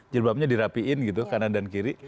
jilbabnya dirapiin gitu kanan dan kiri